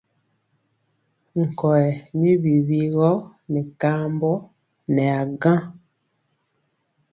Nkɔyɛ mi wiwi gɔ nɛ kambɔ nɛ a gaŋ.